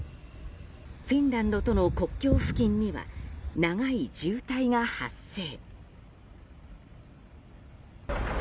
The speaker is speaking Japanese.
フィンランドとの国境付近には長い渋滞が発生。